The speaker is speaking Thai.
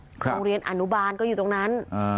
โรงเรียนอนุบาลก็อยู่ตรงนั้น